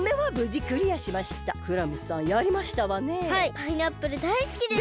パイナップルだいすきです。